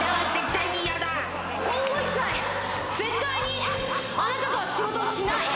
今後一切絶対にあなたとは仕事をしない。